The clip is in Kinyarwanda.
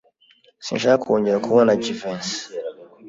Sinshaka kongera kubona Jivency.